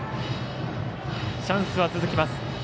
チャンスは続きます。